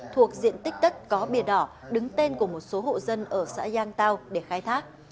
thuộc diện tích đất có bìa đỏ đứng tên của một số hộ dân ở xã giang tao để khai thác